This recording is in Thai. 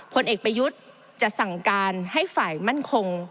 ผลเอกประยุทธ์จะสั่งการให้ฝ่ายมั่นคง